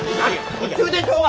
途中でしょうが！